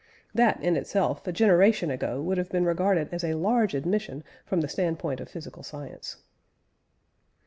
That, in itself, a generation ago would have been regarded as a large admission from the standpoint of physical science.